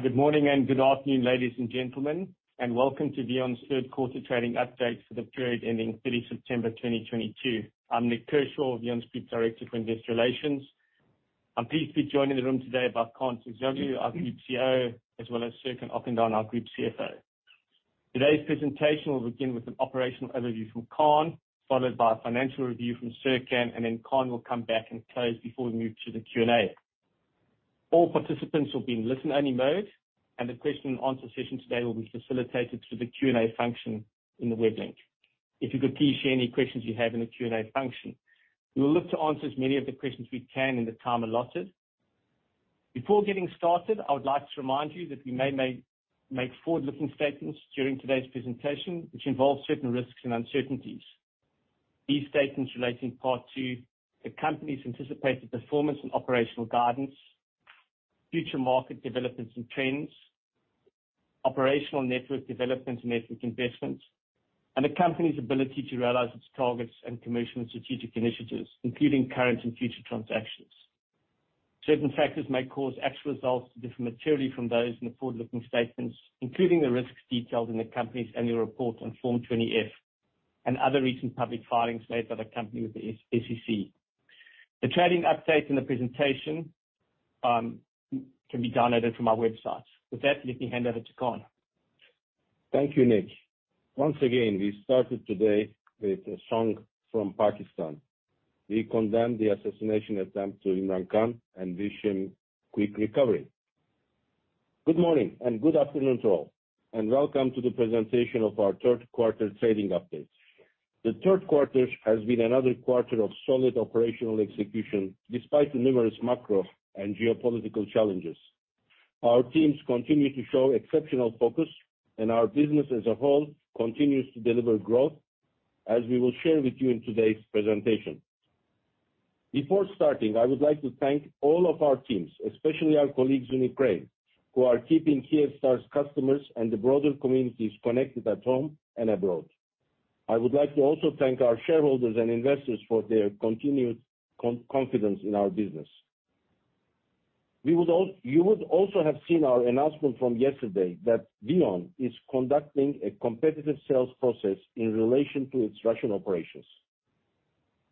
Good morning and good afternoon, ladies and gentlemen, and welcome to VEON's third quarter trading update for the period ending 30 September 2022. I'm Nik Kershaw, VEON's Group Director for Investor Relations. I'm pleased to be joined in the room today by Kaan Terzioğlu, our Group CEO, as well as Serkan Okandan, our Group CFO. Today's presentation will begin with an operational overview from Kaan, followed by a financial review from Serkan, and then Kaan will come back and close before we move to the Q&A. All participants will be in listen-only mode, and the question and answer session today will be facilitated through the Q&A function in the web link. If you could please share any questions you have in the Q&A function, we will look to answer as many of the questions we can in the time allotted. Before getting started, I would like to remind you that we may make forward-looking statements during today's presentation, which involve certain risks and uncertainties. These statements relate in part to the company's anticipated performance and operational guidance, future market developments and trends, operational network developments and network investments, and the company's ability to realize its targets and commercial and strategic initiatives, including current and future transactions. Certain factors may cause actual results to differ materially from those in the forward-looking statements, including the risks detailed in the company's annual report on Form 20-F and other recent public filings made by the company with the SEC. The trading update in the presentation can be downloaded from our website. With that, let me hand over to Kaan. Thank you, Nik. Once again, we started today with a song from Pakistan. We condemn the assassination attempt on Imran Khan and wish him quick recovery. Good morning and good afternoon to all, and welcome to the presentation of our third quarter trading update. The third quarter has been another quarter of solid operational execution, despite the numerous macro and geopolitical challenges. Our teams continue to show exceptional focus, and our business as a whole continues to deliver growth, as we will share with you in today's presentation. Before starting, I would like to thank all of our teams, especially our colleagues in Ukraine, who are keeping Kyivstar's customers and the broader communities connected at home and abroad. I would like to also thank our shareholders and investors for their continued confidence in our business. You would also have seen our announcement from yesterday that VEON is conducting a competitive sales process in relation to its Russian operations.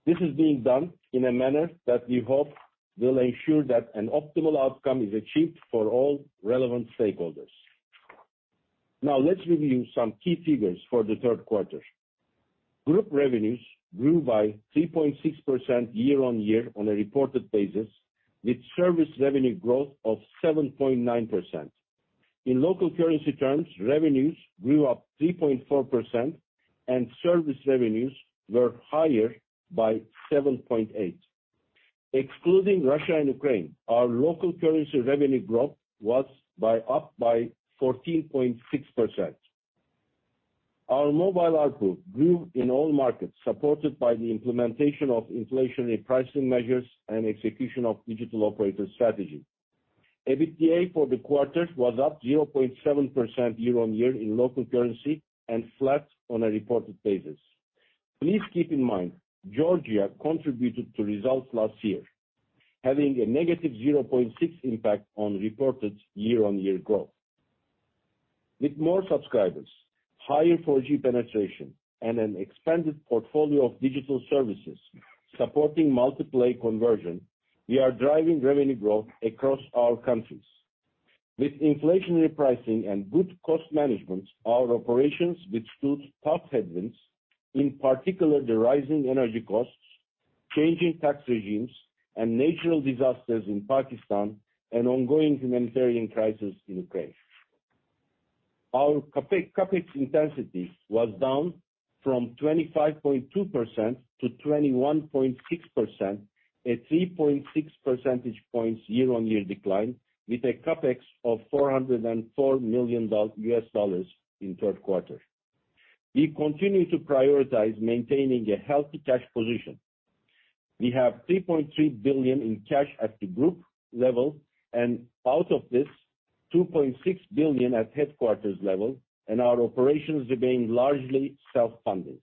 This is being done in a manner that we hope will ensure that an optimal outcome is achieved for all relevant stakeholders. Now, let's review some key figures for the third quarter. Group revenues grew by 3.6% year-on-year on a reported basis, with service revenue growth of 7.9%. In local currency terms, revenues grew up 3.4%, and service revenues were higher by 7.8%. Excluding Russia and Ukraine, our local currency revenue growth was up by 14.6%. Our mobile ARPU grew in all markets, supported by the implementation of inflationary pricing measures and execution of digital operator strategy. EBITDA for the quarter was up 0.7% year-on-year in local currency and flat on a reported basis. Please keep in mind, Georgia contributed to results last year, having a -0.6 impact on reported year-on-year growth. With more subscribers, higher 4G penetration, and an expanded portfolio of digital services supporting multi-play conversion, we are driving revenue growth across our countries. With inflationary pricing and good cost management, our operations withstood tough headwinds, in particular the rising energy costs, changing tax regimes, and natural disasters in Pakistan and ongoing humanitarian crisis in Ukraine. Our CapEx intensity was down from 25.2% to 21.6%, a 3.6 percentage points year-on-year decline with a CapEx of $404 million in third quarter. We continue to prioritize maintaining a healthy cash position. We have $3.3 billion in cash at the group level, and out of this, $2.6 billion at headquarters level, and our operations remain largely self-funded.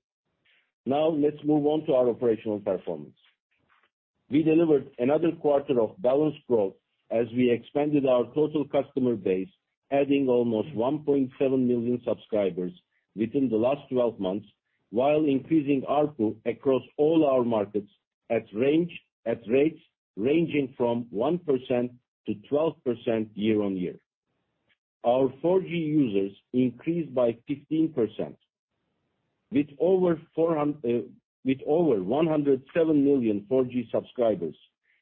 Now, let's move on to our operational performance. We delivered another quarter of balanced growth as we expanded our total customer base, adding almost 1.7 million subscribers within the last twelve months, while increasing ARPU across all our markets at rates ranging from 1%-12% year-on-year. Our 4G users increased by 15%. With over 107 million 4G subscribers,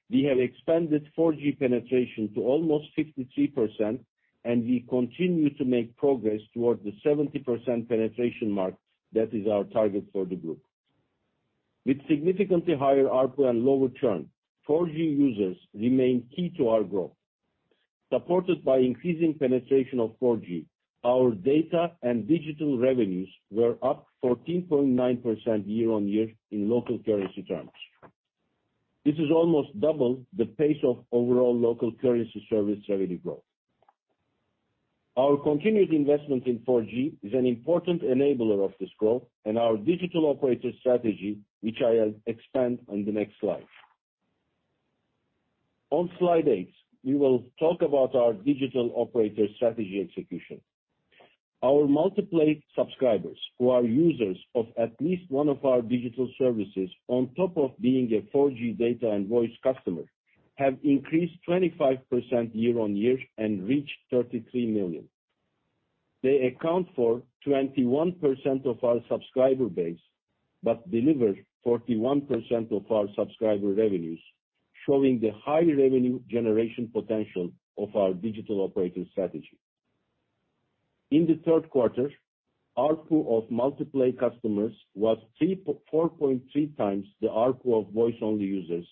we have expanded 4G penetration to almost 53%, and we continue to make progress towards the 70% penetration mark that is our target for the group. With significantly higher ARPU and lower churn, 4G users remain key to our growth. Supported by increasing penetration of 4G, our data and digital revenues were up 14.9% year-on-year in local currency terms. This is almost double the pace of overall local currency service revenue growth. Our continued investment in 4G is an important enabler of this growth and our digital operator strategy, which I'll expand on the next slide. On slide 8, we will talk about our digital operator strategy execution. Our multi-play subscribers, who are users of at least one of our digital services on top of being a 4G data and voice customer, have increased 25% year-on-year and reached 33 million. They account for 21% of our subscriber base, but deliver 41% of our subscriber revenues, showing the high revenue generation potential of our digital operator strategy. In the third quarter, ARPU of multi-play customers was 4.3 times the ARPU of voice-only users,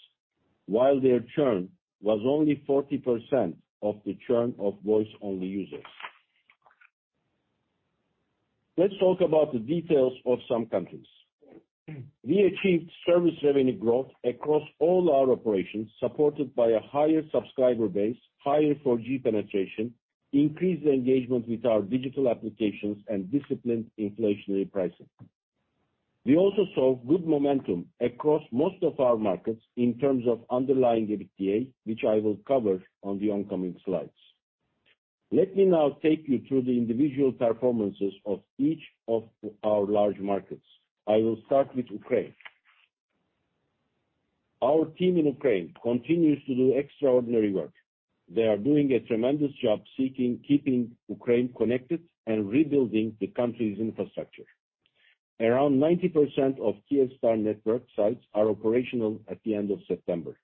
while their churn was only 40% of the churn of voice-only users. Let's talk about the details of some countries. We achieved service revenue growth across all our operations, supported by a higher subscriber base, higher 4G penetration, increased engagement with our digital applications, and disciplined inflationary pricing. We also saw good momentum across most of our markets in terms of underlying EBITDA, which I will cover on the upcoming slides. Let me now take you through the individual performances of each of our large markets. I will start with Ukraine. Our team in Ukraine continues to do extraordinary work. They are doing a tremendous job keeping Ukraine connected and rebuilding the country's infrastructure. Around 90% of Kyivstar network sites are operational at the end of September.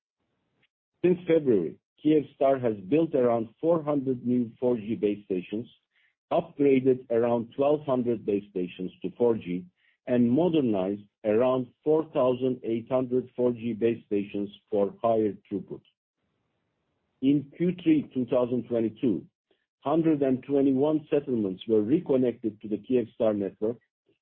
Since February, Kyivstar has built around 400 new 4G base stations, upgraded around 1,200 base stations to 4G, and modernized around 4,800 4G base stations for higher throughput. In Q3 2022, 121 settlements were reconnected to the Kyivstar network.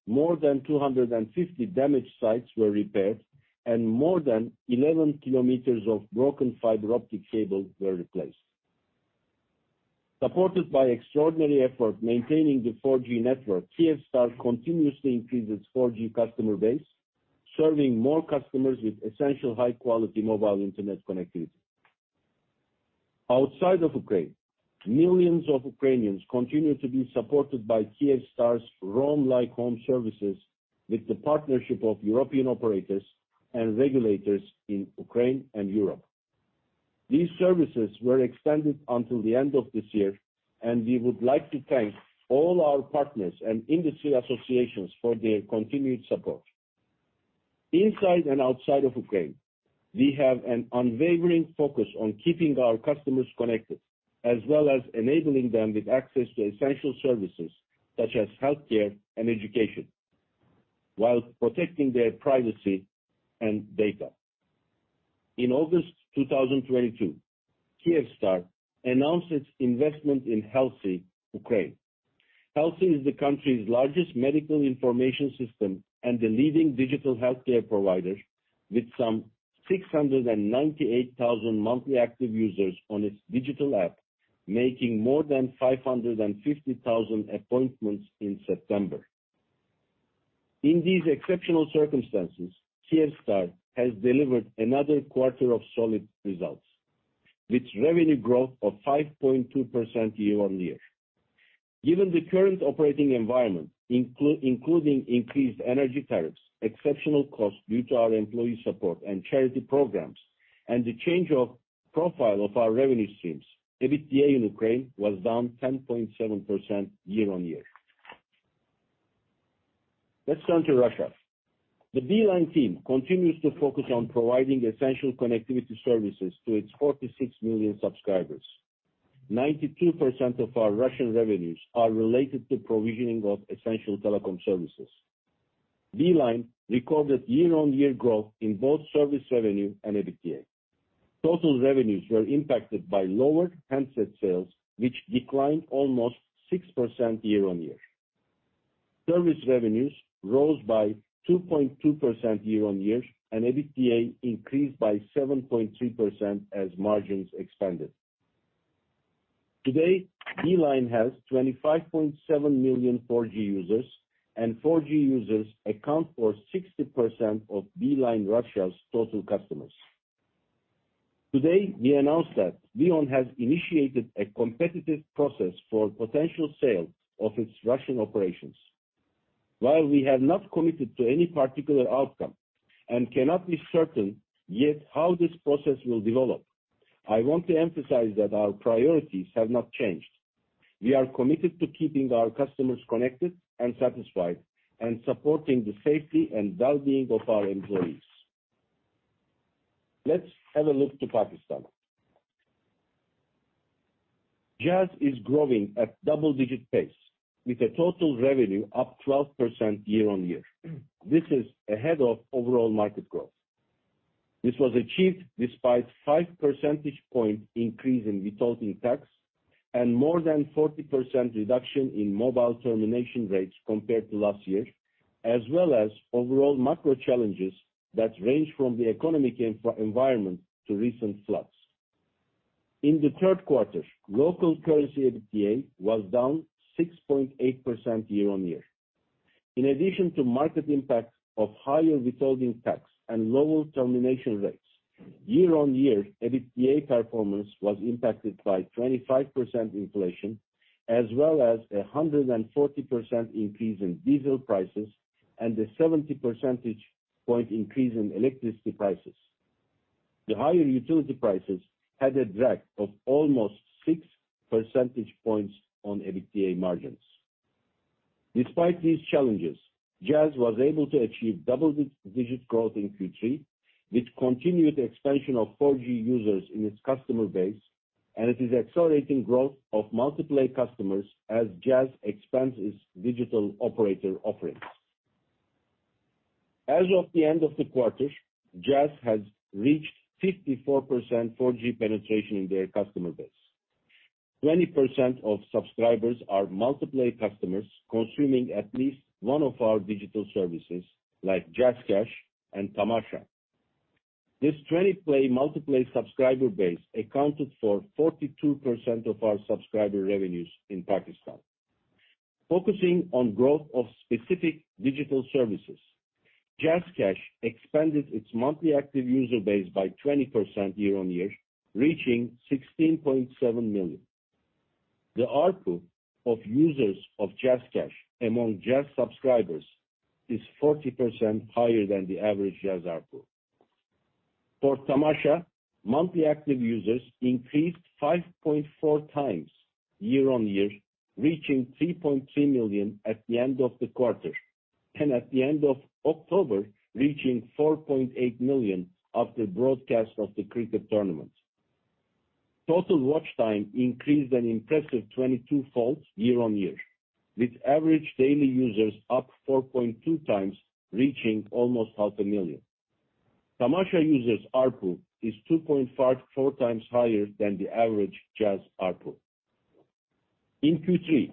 More than 250 damaged sites were repaired, and more than 11 km of broken fiber-optic cable were replaced. Supported by extraordinary effort maintaining the 4G network, Kyivstar continuously increased its 4G customer base, serving more customers with essential high-quality mobile internet connectivity. Outside of Ukraine, millions of Ukrainians continue to be supported by Kyivstar's roam-like-home services with the partnership of European operators and regulators in Ukraine and Europe. These services were extended until the end of this year, and we would like to thank all our partners and industry associations for their continued support. Inside and outside of Ukraine, we have an unwavering focus on keeping our customers connected, as well as enabling them with access to essential services such as healthcare and education, while protecting their privacy and data. In August 2022, Kyivstar announced its investment in Helsi, Ukraine. Helsi is the country's largest medical information system and the leading digital healthcare provider with some 698,000 monthly active users on its digital app, making more than 550,000 appointments in September. In these exceptional circumstances, Kyivstar has delivered another quarter of solid results, with revenue growth of 5.2% year-on-year. Given the current operating environment, including increased energy tariffs, exceptional costs due to our employee support and charity programs, and the change of profile of our revenue streams, EBITDA in Ukraine was down 10.7% year-on-year. Let's turn to Russia. The Beeline team continues to focus on providing essential connectivity services to its 46 million subscribers. 92% of our Russian revenues are related to provisioning of essential telecom services. Beeline recorded year-on-year growth in both service revenue and EBITDA. Total revenues were impacted by lower handset sales, which declined almost 6% year-on-year. Service revenues rose by 2.2% year-on-year, and EBITDA increased by 7.3% as margins expanded. Today, Beeline has 25.7 million 4G users, and 4G users account for 60% of Beeline Russia's total customers. Today, we announced that VEON has initiated a competitive process for potential sale of its Russian operations. While we have not committed to any particular outcome and cannot be certain yet how this process will develop, I want to emphasize that our priorities have not changed. We are committed to keeping our customers connected and satisfied and supporting the safety and well-being of our employees. Let's have a look to Pakistan. Jazz is growing at double-digit pace with the total revenue up 12% year-on-year. This is ahead of overall market growth. This was achieved despite 5 percentage point increase in withholding tax and more than 40% reduction in mobile termination rates compared to last year, as well as overall macro challenges that range from the economic environment to recent floods. In the third quarter, local currency EBITDA was down 6.8% year-on-year. In addition to market impact of higher withholding tax and lower termination rates, year-on-year, EBITDA performance was impacted by 25% inflation, as well as a 140% increase in diesel prices and a 70 percentage point increase in electricity prices. The higher utility prices had a drag of almost 6 percentage points on EBITDA margins. Despite these challenges, Jazz was able to achieve double-digit growth in Q3 with continued expansion of 4G users in its customer base and it is accelerating growth of multi-play customers as Jazz expands its digital operator offerings. As of the end of the quarter, Jazz has reached 54% 4G penetration in their customer base. 20% of subscribers are multi-play customers consuming at least one of our digital services like JazzCash and Tamasha. This 20% multi-play subscriber base accounted for 42% of our subscriber revenues in Pakistan. Focusing on growth of specific digital services, JazzCash expanded its monthly active user base by 20% year-on-year, reaching 16.7 million. The ARPU of users of JazzCash among Jazz subscribers is 40% higher than the average Jazz ARPU. For Tamasha, monthly active users increased 5.4x year-over-year, reaching 3.3 million at the end of the quarter, and at the end of October, reaching 4.8 million after broadcast of the cricket tournament. Total watch time increased an impressive 22-fold year-over-year. With average daily users up 4.2x, reaching almost 500,000. Tamasha users ARPU is 2.5x-4x times higher than the average Jazz ARPU. In Q3,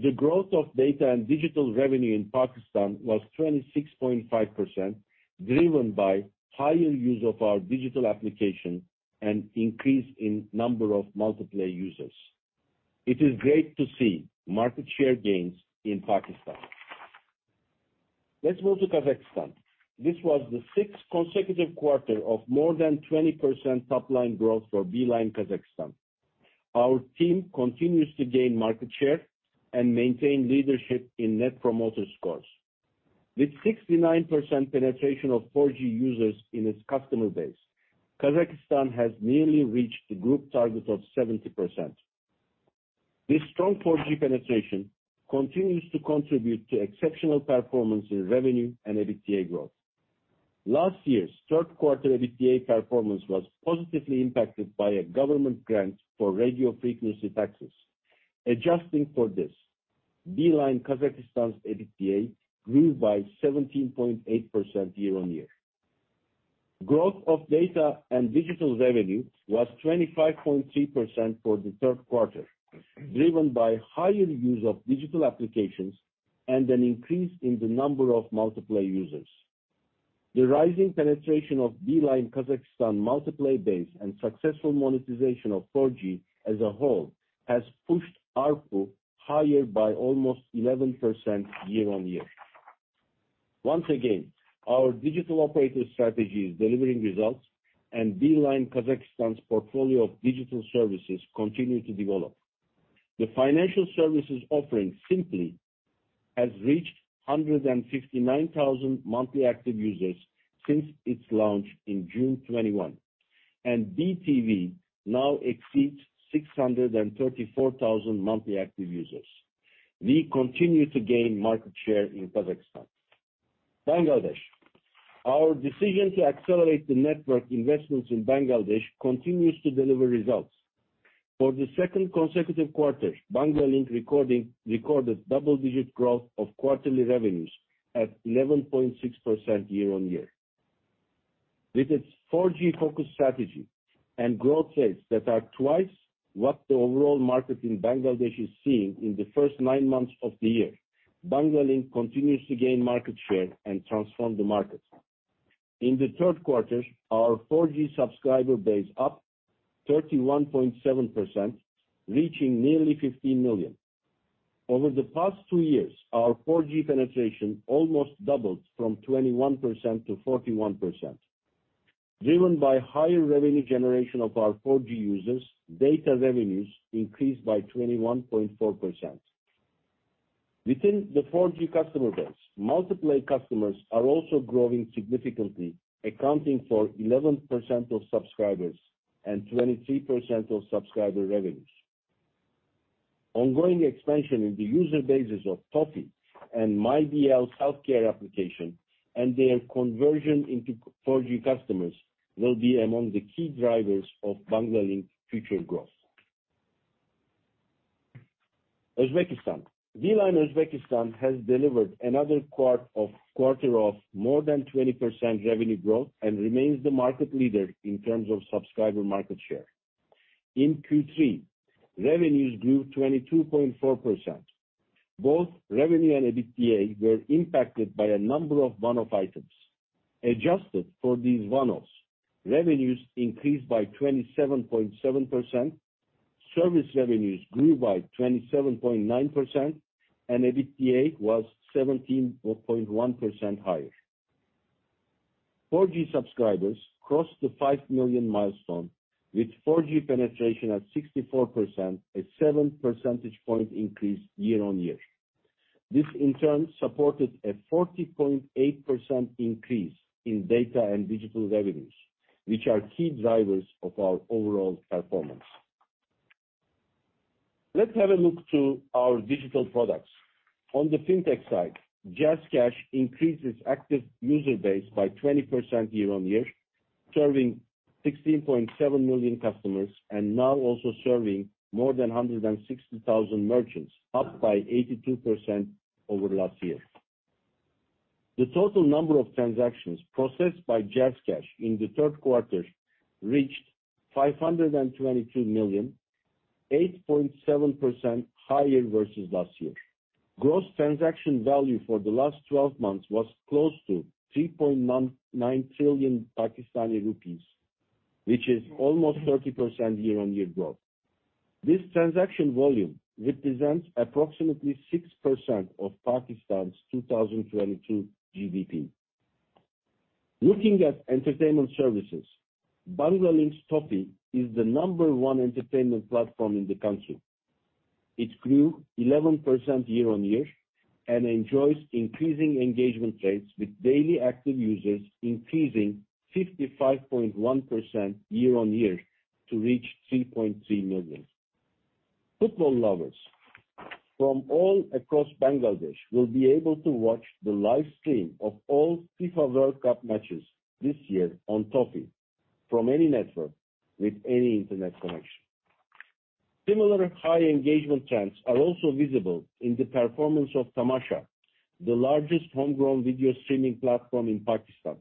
the growth of data and digital revenue in Pakistan was 26.5%, driven by higher use of our digital application and increase in number of multi-play users. It is great to see market share gains in Pakistan. Let's move to Kazakhstan. This was the sixth consecutive quarter of more than 20% top-line growth for Beeline Kazakhstan. Our team continues to gain market share and maintain leadership in Net Promoter Score. With 69% penetration of 4G users in its customer base, Kazakhstan has nearly reached the group target of 70%. This strong 4G penetration continues to contribute to exceptional performance in revenue and EBITDA growth. Last year's third quarter EBITDA performance was positively impacted by a government grant for radio frequency taxes. Adjusting for this, Beeline Kazakhstan's EBITDA grew by 17.8% year-on-year. Growth of data and digital revenue was 25.3% for the third quarter, driven by higher use of digital applications and an increase in the number of multi-play users. The rising penetration of Beeline Kazakhstan multi-play base and successful monetization of 4G as a whole has pushed ARPU higher by almost 11% year-on-year. Once again, our digital operator strategy is delivering results, and Beeline Kazakhstan's portfolio of digital services continues to develop. The financial services offering Simply has reached 159,000 monthly active users since its launch in June 2021, and BeeTV now exceeds 634,000 monthly active users. We continue to gain market share in Kazakhstan, Bangladesh. Our decision to accelerate the network investments in Bangladesh continues to deliver results. For the second consecutive quarter, Banglalink recorded double-digit growth of quarterly revenues at 11.6% year-on-year. With its 4G focus strategy and growth rates that are twice what the overall market in Bangladesh is seeing in the first nine months of the year, Banglalink continues to gain market share and transform the market. In the third quarter, our 4G subscriber base up 31.7%, reaching nearly 15 million. Over the past two years, our 4G penetration almost doubled from 21% to 41%. Driven by higher revenue generation of our 4G users, data revenues increased by 21.4%. Within the 4G customer base, multi-play customers are also growing significantly, accounting for 11% of subscribers and 23% of subscriber revenues. Ongoing expansion in the user bases of Toffee and MyBL healthcare application and their conversion into 4G customers will be among the key drivers of Banglalink future growth. Uzbekistan. Beeline Uzbekistan has delivered another quarter of more than 20% revenue growth and remains the market leader in terms of subscriber market share. In Q3, revenues grew 22.4%. Both revenue and EBITDA were impacted by a number of one-off items. Adjusted for these one-offs, revenues increased by 27.7%, service revenues grew by 27.9%, and EBITDA was 17.1% higher. 4G subscribers crossed the 5 million milestone, with 4G penetration at 64%, a 7 percentage point increase year-on-year. This in turn supported a 40.8% increase in data and digital revenues, which are key drivers of our overall performance. Let's have a look at our digital products. On the fintech side, JazzCash increased its active user base by 20% year-on-year, serving 16.7 million customers and now also serving more than 160,000 merchants, up by 82% over last year. The total number of transactions processed by JazzCash in the third quarter reached 522 million, 8.7% higher versus last year. Gross transaction value for the last twelve months was close to PKR 3.99 trillion, which is almost 30% year-on-year growth. This transaction volume represents approximately 6% of Pakistan's 2022 GDP. Looking at entertainment services, Banglalink's Toffee is the number one entertainment platform in the country. It grew 11% year-on-year, and enjoys increasing engagement rates, with daily active users increasing 55.1% year-on-year to reach 3.3 million. Football lovers from all across Bangladesh will be able to watch the live stream of all FIFA World Cup matches this year on Toffee from any network with any internet connection. Similar high engagement trends are also visible in the performance of Tamasha, the largest homegrown video streaming platform in Pakistan.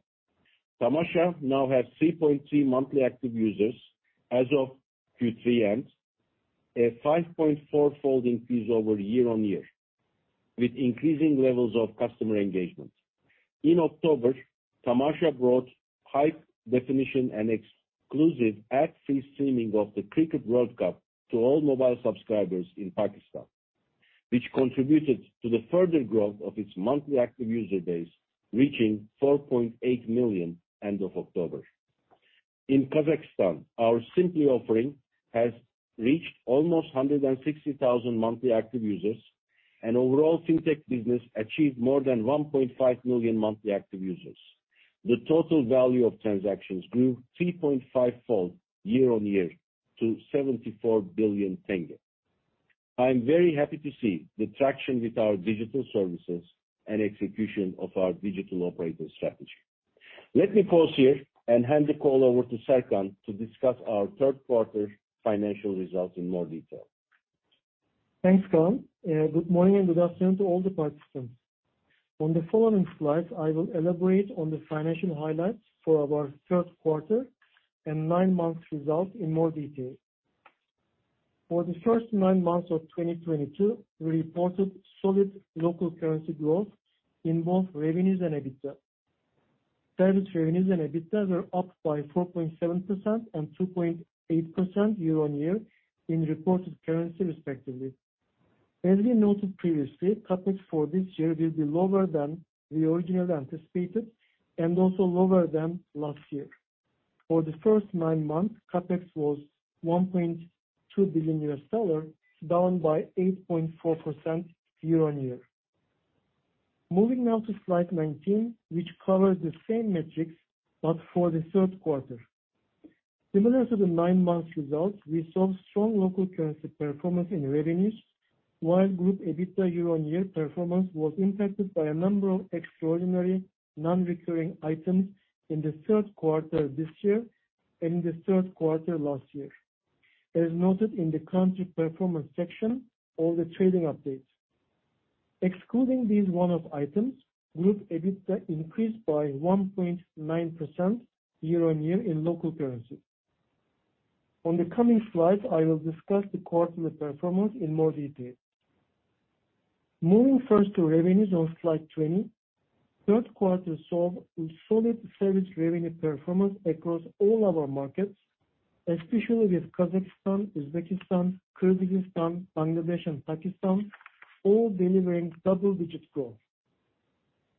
Tamasha now has 3.3 million monthly active users as of Q3 end, a 5.4-fold increase year-on-year, with increasing levels of customer engagement. In October, Tamasha brought high definition and exclusive ad-free streaming of the Cricket World Cup to all mobile subscribers in Pakistan, which contributed to the further growth of its monthly active user base, reaching 4.8 million end of October. In Kazakhstan, our Simply offering has reached almost 160,000 monthly active users, and overall fintech business achieved more than 1.5 million monthly active users. The total value of transactions grew 3.5-fold year-on-year to KZT 74 billion tenge. I am very happy to see the traction with our digital services and execution of our digital operator strategy. Let me pause here and hand the call over to Serkan to discuss our third quarter financial results in more detail. Thanks, Kaan. Good morning and good afternoon to all the participants. On the following slides, I will elaborate on the financial highlights for our third quarter and nine months results in more detail. For the first nine months of 2022, we reported solid local currency growth in both revenues and EBITDA. Service revenues and EBITDA were up by 4.7% and 2.8% year-on-year in reported currency, respectively. As we noted previously, CapEx for this year will be lower than we originally anticipated and also lower than last year. For the first nine months, CapEx was $1.2 billion, down by 8.4% year-on-year. Moving now to slide 19, which covers the same metrics but for the third quarter. Similar to the nine months results, we saw strong local currency performance in revenues, while group EBITDA year-on-year performance was impacted by a number of extraordinary non-recurring items in the third quarter this year and in the third quarter last year, as noted in the country performance section or the trading updates. Excluding these one-off items, group EBITDA increased by 1.9% year-on-year in local currency. On the coming slides, I will discuss the quarterly performance in more detail. Moving first to revenues on slide 20, third quarter saw solid service revenue performance across all our markets, especially with Kazakhstan, Uzbekistan, Kyrgyzstan, Bangladesh, and Pakistan all delivering double-digit growth.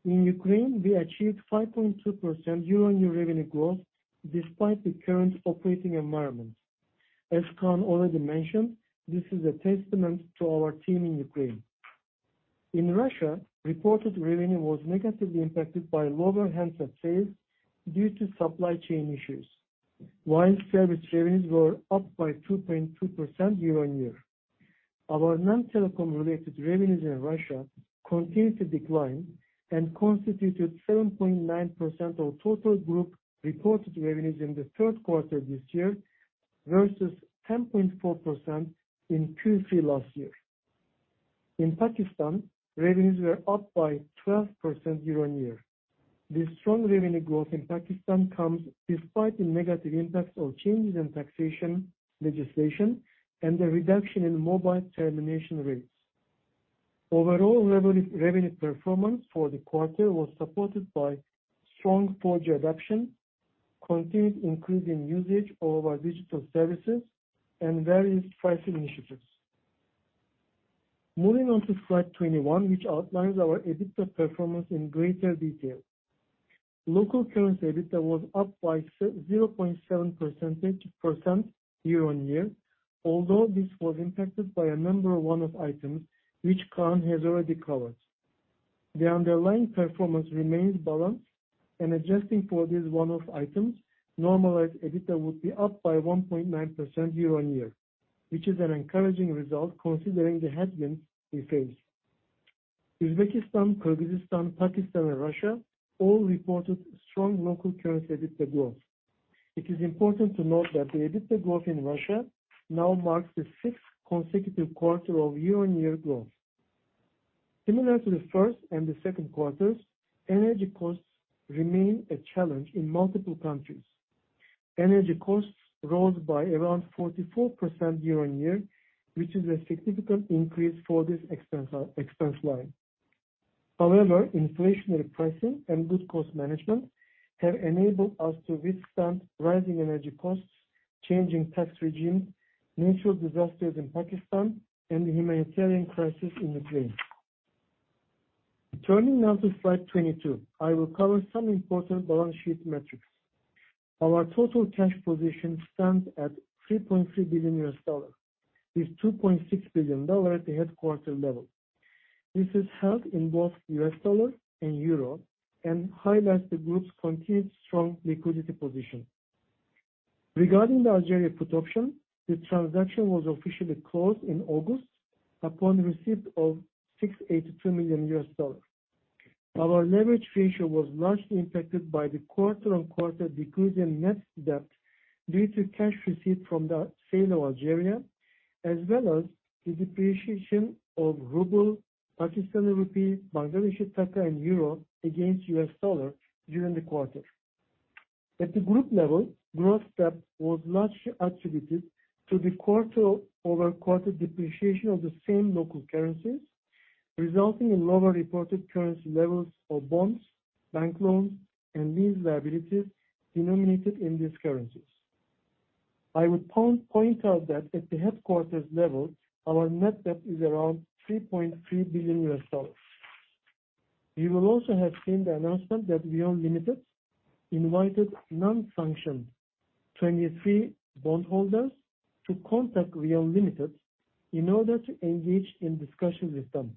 In Ukraine, we achieved 5.2% year-on-year revenue growth despite the current operating environment. As Kaan already mentioned, this is a testament to our team in Ukraine. In Russia, reported revenue was negatively impacted by lower handset sales due to supply chain issues, while service revenues were up by 2.2% year-on-year. Our non-telecom related revenues in Russia continued to decline and constituted 7.9% of total group reported revenues in the third quarter this year versus 10.4% in Q3 last year. In Pakistan, revenues were up by 12% year-on-year. This strong revenue growth in Pakistan comes despite the negative impacts of changes in taxation legislation and the reduction in mobile termination rates. Overall revenue performance for the quarter was supported by strong 4G adoption, continued increasing usage of our digital services and various pricing initiatives. Moving on to slide 21, which outlines our EBITDA performance in greater detail. Local currency EBITDA was up by 0.7% year-on-year, although this was impacted by a number of one-off items which Kaan has already covered. The underlying performance remains balanced, and adjusting for these one-off items, normalized EBITDA would be up by 1.9% year-on-year, which is an encouraging result considering the headwinds we face. Uzbekistan, Kyrgyzstan, Pakistan and Russia all reported strong local currency EBITDA growth. It is important to note that the EBITDA growth in Russia now marks the sixth consecutive quarter of year-on-year growth. Similar to the first and the second quarters, energy costs remain a challenge in multiple countries. Energy costs rose by around 44% year-on-year, which is a significant increase for this expense line. However, inflationary pricing and good cost management have enabled us to withstand rising energy costs, changing tax regimes, natural disasters in Pakistan, and the humanitarian crisis in Ukraine. Turning now to slide 22, I will cover some important balance sheet metrics. Our total cash position stands at $3.3 billion, with $2.6 billion at the headquarters level. This is held in both U.S. dollar and euro, and highlights the group's continued strong liquidity position. Regarding the Algeria put option, the transaction was officially closed in August upon receipt of $682 million. Our leverage ratio was largely impacted by the quarter-on-quarter decrease in net debt due to cash received from the sale of Algeria, as well as the depreciation of ruble, Pakistani rupee, Bangladeshi taka and euro against U.S. dollar during the quarter. At the group level, gross debt was largely attributed to the quarter-over-quarter depreciation of the same local currencies, resulting in lower reported currency levels of bonds, bank loans, and lease liabilities denominated in these currencies. I would point out that at the headquarters level, our net debt is around $3.3 billion. You will also have seen the announcement that VEON Ltd. invited non-2023 bondholders to contact VEON Ltd. in order to engage in discussions with them.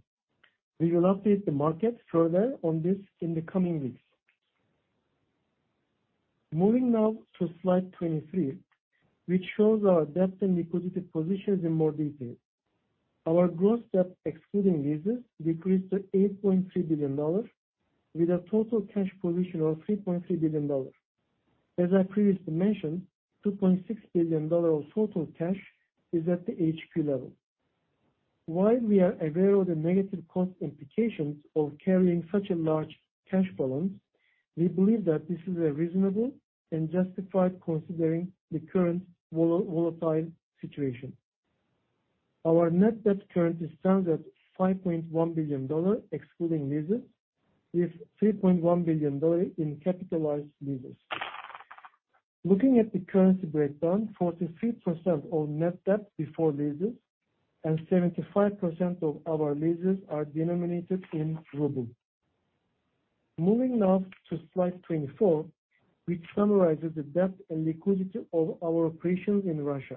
We will update the market further on this in the coming weeks. Moving now to slide 23, which shows our debt and liquidity positions in more detail. Our gross debt excluding leases decreased to $8.3 billion, with a total cash position of $3.3 billion. As I previously mentioned, $2.6 billion of total cash is at the HQ level. While we are aware of the negative cost implications of carrying such a large cash balance, we believe that this is a reasonable and justified considering the current volatile situation. Our net debt currently stands at $5.1 billion excluding leases, with $3.1 billion in capitalized leases. Looking at the currency breakdown, 43% of net debt before leases and 75% of our leases are denominated in ruble. Moving now to slide 24, which summarizes the debt and liquidity of our operations in Russia.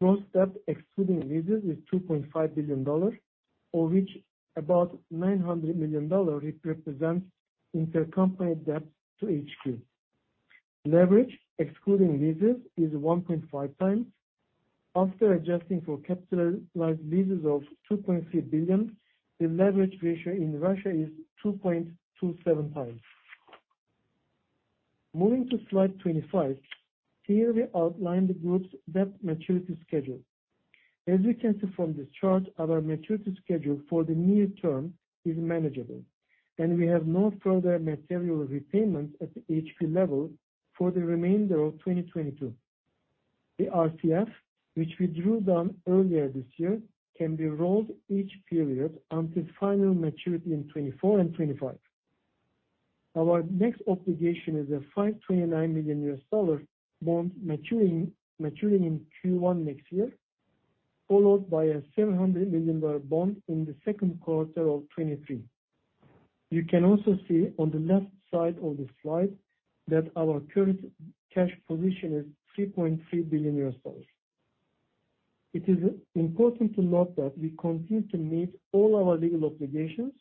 Gross debt excluding leases is $2.5 billion, of which about $900 million represents intercompany debt to HQ. Leverage excluding leases is 1.5 times. After adjusting for capitalized leases of $2.3 billion, the leverage ratio in Russia is 2.27 times. Moving to slide 25. Here we outline the group's debt maturity schedule. As you can see from this chart, our maturity schedule for the near term is manageable, and we have no further material repayments at the HQ level for the remainder of 2022. The RCF, which we drew down earlier this year, can be rolled each period until final maturity in 2024 and 2025. Our next obligation is a $529 million bond maturing in Q1 next year, followed by a $700 million bond in the second quarter of 2023. You can also see on the left side of the slide that our current cash position is $3.3 billion. It is important to note that we continue to meet all our legal obligations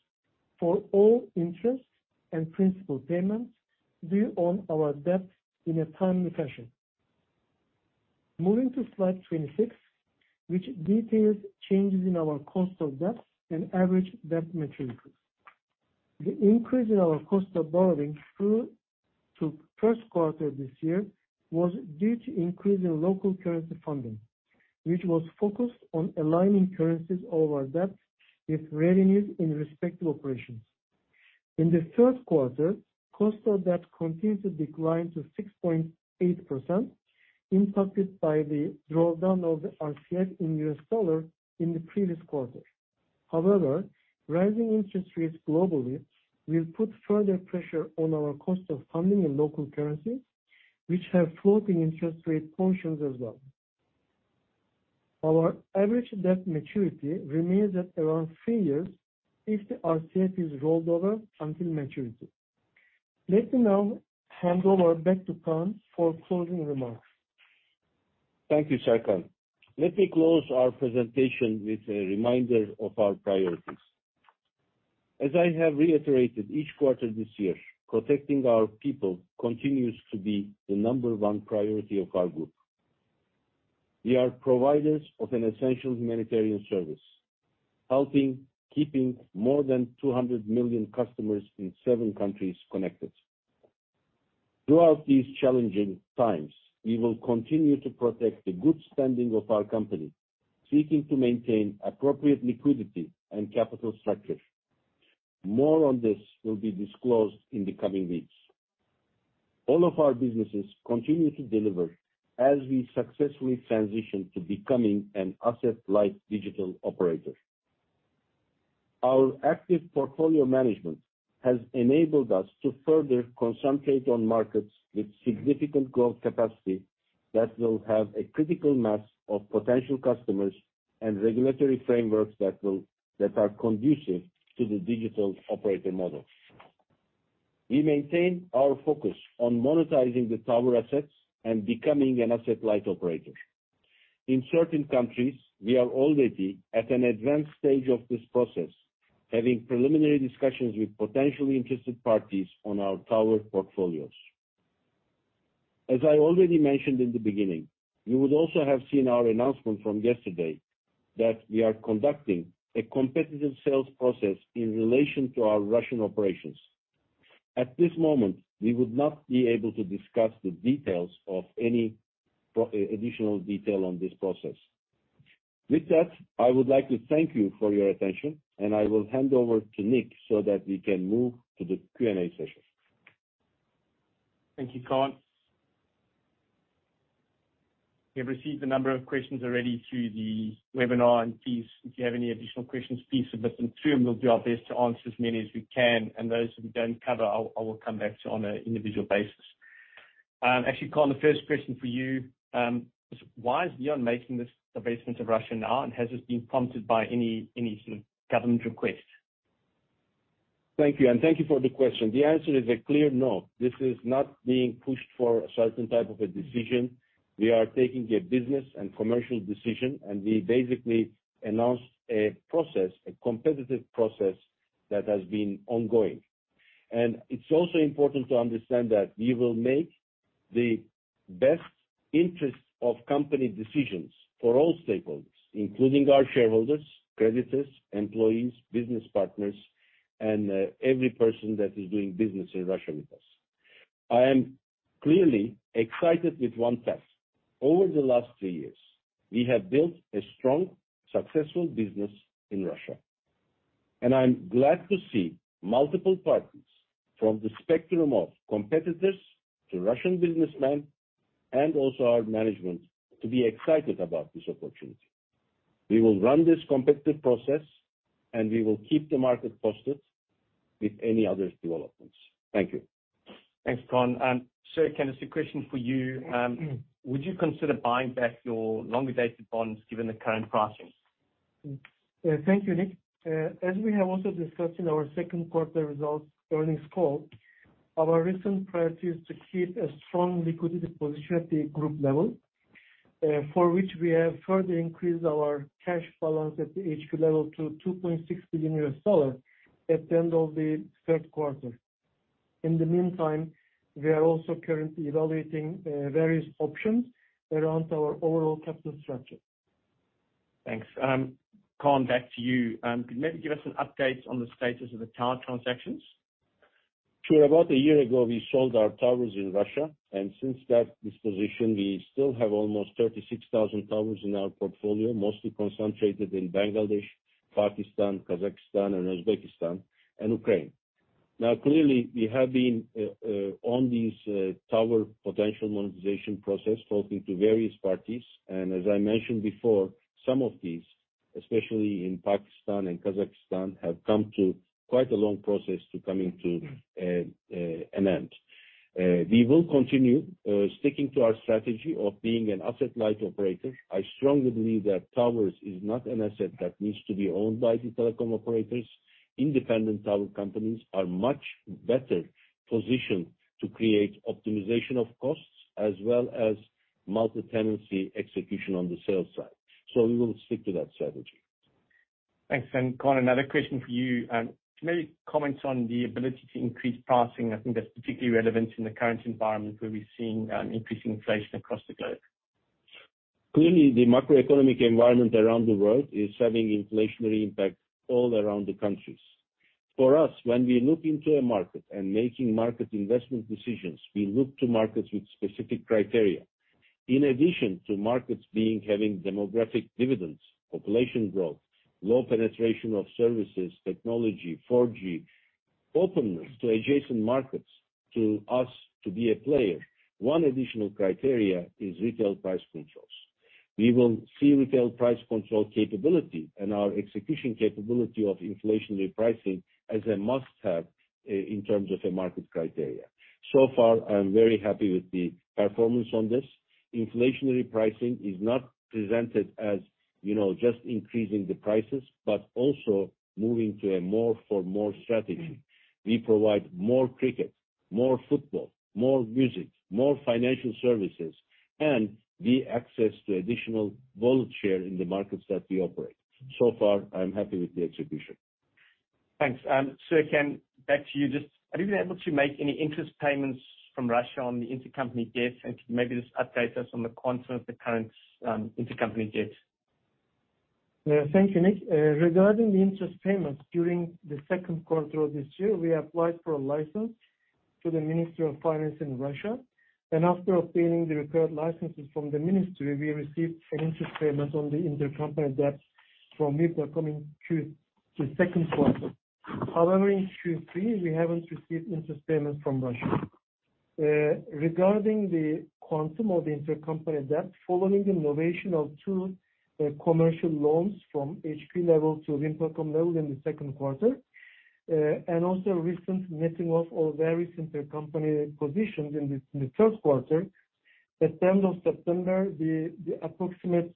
for all interest and principal payments due on our debt in a timely fashion. Moving to slide 26, which details changes in our cost of debt and average debt maturities. The increase in our cost of borrowing through to first quarter this year was due to increase in local currency funding, which was focused on aligning currencies of our debt with revenues in respective operations. In the third quarter, cost of debt continued to decline to 6.8%, impacted by the drawdown of the RCF in U.S. dollar in the previous quarter. However, rising interest rates globally will put further pressure on our cost of funding in local currency, which have floating interest rate portions as well. Our average debt maturity remains at around three years if the RCF is rolled over until maturity. Let me now hand over back to Kaan for closing remarks. Thank you, Serkan. Let me close our presentation with a reminder of our priorities. As I have reiterated each quarter this year, protecting our people continues to be the number one priority of our group. We are providers of an essential humanitarian service, helping keep more than 200 million customers in seven countries connected. Throughout these challenging times, we will continue to protect the good standing of our company, seeking to maintain appropriate liquidity and capital structure. More on this will be disclosed in the coming weeks. All of our businesses continue to deliver as we successfully transition to becoming an asset-light digital operator. Our active portfolio management has enabled us to further concentrate on markets with significant growth capacity that will have a critical mass of potential customers and regulatory frameworks that are conducive to the digital operator model. We maintain our focus on monetizing the tower assets and becoming an asset-light operator. In certain countries, we are already at an advanced stage of this process, having preliminary discussions with potentially interested parties on our tower portfolios. As I already mentioned in the beginning, you would also have seen our announcement from yesterday that we are conducting a competitive sales process in relation to our Russian operations. At this moment, we would not be able to discuss the details of any additional detail on this process. With that, I would like to thank you for your attention, and I will hand over to Nik so that we can move to the Q&A session. Thank you, Kaan. We have received a number of questions already through the webinar. Please, if you have any additional questions, please submit them through. We'll do our best to answer as many as we can. Those we don't cover, we'll come back to on an individual basis. Actually, Kaan, the first question for you is why is VEON making this divestment of Russia now, and has this been prompted by any sort of government request? Thank you. Thank you for the question. The answer is a clear no. This is not being pushed for a certain type of a decision. We are taking a business and commercial decision, and we basically announced a process, a competitive process that has been ongoing. It's also important to understand that we will make the best interest of company decisions for all stakeholders, including our shareholders, creditors, employees, business partners, and every person that is doing business in Russia with us. I am clearly excited with one fact. Over the last three years, we have built a strong, successful business in Russia. I'm glad to see multiple parties from the spectrum of competitors to Russian businessmen and also our management to be excited about this opportunity. We will run this competitive process, and we will keep the market posted with any other developments. Thank you. Thanks, Kaan. Serkan, it's a question for you. Would you consider buying back your longer-dated bonds given the current pricing? Thank you, Nik. As we have also discussed in our second quarter results earnings call, our recent priority is to keep a strong liquidity position at the group level, for which we have further increased our cash balance at the HQ level to $2.6 billion at the end of the third quarter. In the meantime, we are also currently evaluating various options around our overall capital structure. Thanks. Kaan, back to you. Could you maybe give us an update on the status of the tower transactions? Sure. About a year ago, we sold our towers in Russia, and since that disposition, we still have almost 36,000 towers in our portfolio, mostly concentrated in Bangladesh, Pakistan, Kazakhstan, and Uzbekistan and Ukraine. Now, clearly, we have been on this tower potential monetization process, talking to various parties. As I mentioned before, some of these, especially in Pakistan and Kazakhstan, have come to quite a long process to coming to an end. We will continue sticking to our strategy of being an asset-light operator. I strongly believe that towers is not an asset that needs to be owned by the telecom operators. Independent tower companies are much better positioned to create optimization of costs as well as multi-tenancy execution on the sales side. We will stick to that strategy. Thanks. Kaan, another question for you. Can you maybe comment on the ability to increase pricing? I think that's particularly relevant in the current environment where we're seeing increasing inflation across the globe. Clearly, the macroeconomic environment around the world is having inflationary impact all around the countries. For us, when we look into a market and making market investment decisions, we look to markets with specific criteria. In addition to markets having demographic dividends, population growth, low penetration of services, technology, 4G, openness to adjacent markets to us to be a player, one additional criteria is retail price controls. We will see retail price control capability and our execution capability of inflationary pricing as a must-have in terms of a market criteria. So far, I am very happy with the performance on this. Inflationary pricing is not presented as, you know, just increasing the prices, but also moving to a more for more strategy. We provide more cricket, more football, more music, more financial services, and we access the additional volume share in the markets that we operate. So far, I am happy with the execution. Thanks. Serkan, back to you. Just have you been able to make any interest payments from Russia on the intercompany debt? Could you maybe just update us on the quantum of the current intercompany debt? Thank you, Nik. Regarding the interest payments, during the second quarter of this year, we applied for a license to the Ministry of Finance in Russia. After obtaining the required licenses from the Ministry, we received an interest payment on the intercompany debt from VEON coming through to second quarter. However, in Q3, we haven't received interest payments from Russia. Regarding the quantum of the intercompany debt, following the novation of two commercial loans from HQ level to VEON telecom level in the second quarter, and also recent netting off all various intercompany positions in the first quarter, at tenth of September, the approximate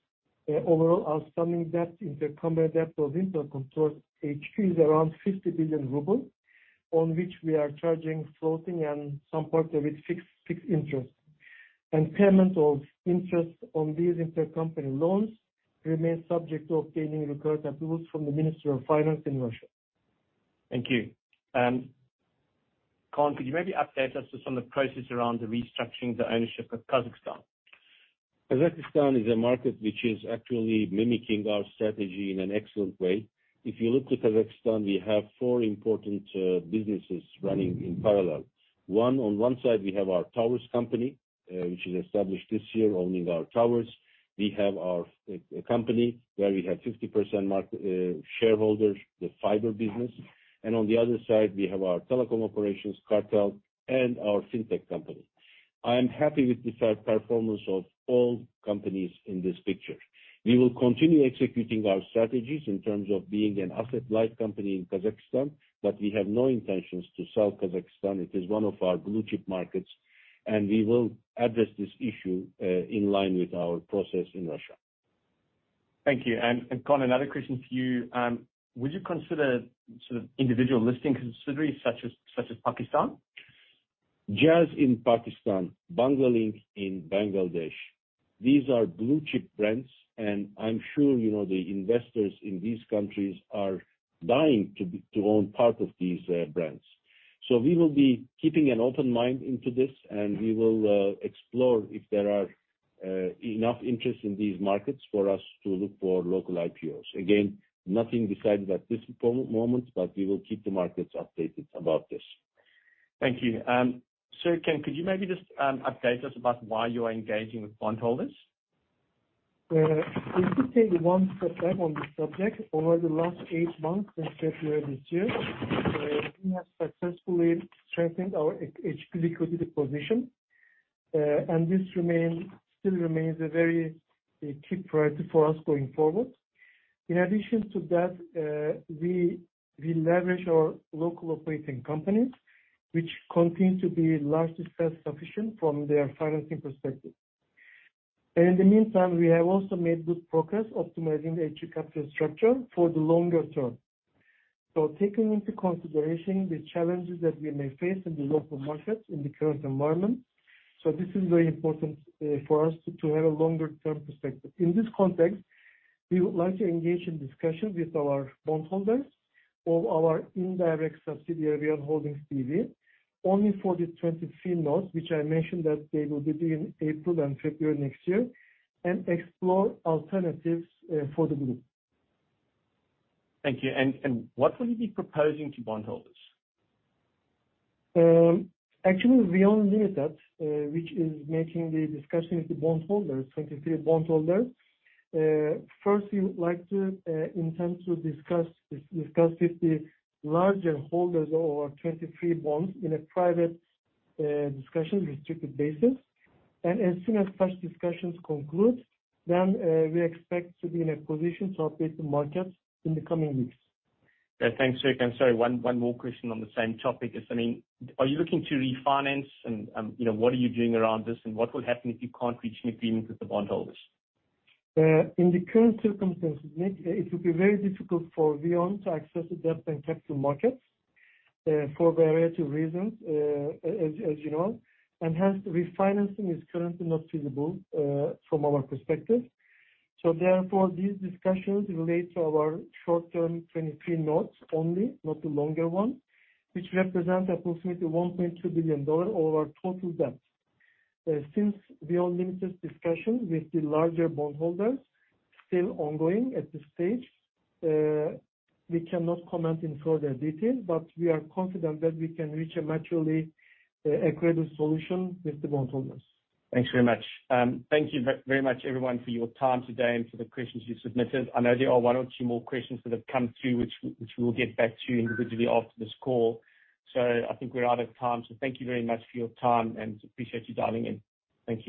overall outstanding intercompany debt to HQ is around 50 billion rubles, on which we are charging floating and some parts of it fixed interest. Payment of interest on these intercompany loans remains subject to obtaining required approvals from the Ministry of Finance in Russia. Thank you. Kaan, could you maybe update us on some of the process around restructuring the ownership of Kazakhstan? Kazakhstan is a market which is actually mimicking our strategy in an excellent way. If you look to Kazakhstan, we have four important businesses running in parallel. One, on one side we have our towers company, which is established this year owning our towers. We have our, a company where we have 50% market shareholders, the fiber business. On the other side, we have our telecom operations, KaR-Tel, and our Fintech company. I am happy with this performance of all companies in this picture. We will continue executing our strategies in terms of being an asset-light company in Kazakhstan, but we have no intentions to sell Kazakhstan. It is one of our blue-chip markets, and we will address this issue in line with our process in Russia. Thank you. Kaan, another question for you. Would you consider sort of individual listing considerations such as Pakistan? Jazz in Pakistan, Banglalink in Bangladesh, these are blue chip brands, and I'm sure you know, the investors in these countries are dying to be, to own part of these brands. So we will be keeping an open mind into this, and we will explore if there are enough interest in these markets for us to look for local IPOs. Again, nothing decided at this moment, but we will keep the markets updated about this. Thank you. Serkan, could you maybe just update us about why you are engaging with bondholders? Let me take one step back on this subject. Over the last eight months, since February this year, we have successfully strengthened our HQ liquidity position. This still remains a very key priority for us going forward. In addition to that, we leverage our local operating companies, which continue to be largely self-sufficient from their financing perspective. In the meantime, we have also made good progress optimizing HQ capital structure for the longer term. Taking into consideration the challenges that we may face in the local markets in the current environment, this is very important for us to have a longer-term perspective. In this context, we would like to engage in discussions with our bondholders or our indirect subsidiary, VEON Holdings B.V., only for the '23 notes, which I mentioned that they will be due in April and February next year, and explore alternatives for the group. Thank you. What will you be proposing to bondholders? Actually, VEON Ltd., which is in discussions with the 2023 bondholders. First, we intend to discuss this with the larger holders of our 2023 bonds on a private and restricted basis. As soon as such discussions conclude, then we expect to be in a position to update the markets in the coming weeks. Thanks, Serkan. Sorry, one more question on the same topic. Just, I mean, are you looking to refinance and, you know, what are you doing around this, and what will happen if you can't reach an agreement with the bondholders? In the current circumstances, Nik, it would be very difficult for VEON to access the debt and capital markets, for a variety of reasons, as you know. Hence, refinancing is currently not feasible, from our perspective. Therefore, these discussions relate to our short-term '23 notes only, not the longer one, which represent approximately $1.2 billion of our total debt. Since VEON Ltd.'s discussion with the larger bondholders still ongoing at this stage, we cannot comment in further detail, but we are confident that we can reach a mutually agreed solution with the bondholders. Thanks very much. Thank you very much everyone for your time today and for the questions you submitted. I know there are one or two more questions that have come through which we will get back to you individually after this call. I think we're out of time. Thank you very much for your time, and appreciate you dialing in. Thank you.